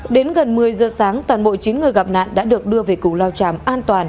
đến gần một mươi giờ sáng toàn bộ chín người gặp nạn đã được đưa về củ lao tràm an toàn